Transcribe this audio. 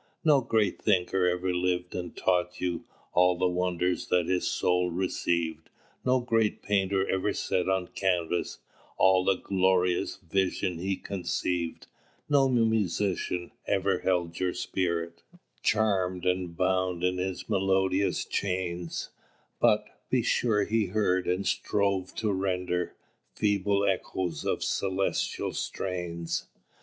"No great Thinker ever lived and taught you All the wonder that his soul received; No great Painter ever set on canvas All the glorious vision he conceived. "No Musician ever held your spirit Charmed and bound in his melodious chains; But, be sure, he heard, and strove to render, Feeble echoes of celestial strains.